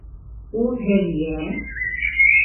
Ул һеҙгә...